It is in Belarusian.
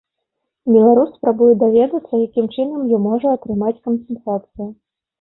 Беларус спрабуе даведацца, якім чынам ён можа атрымаць кампенсацыю.